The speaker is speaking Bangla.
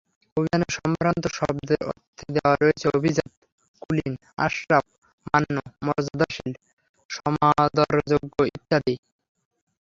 অভিধানে সম্ভ্রান্ত শব্দের অর্থ দেওয়া রয়েছে অভিজাত, কুলীন, আশরাফ, মান্য, মর্যাদাশীল, সমাদরযোগ্য ইত্যাদি।